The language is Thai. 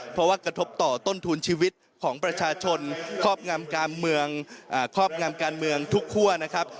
เพราะว่ากระทบต่อต้นทุนชีวิตของประชาชนครอบงามการเมืองทุกครั่วนะครับ